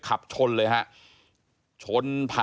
ดีนะที่อุ้มน้อย